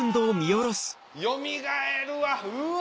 よみがえるわうわ！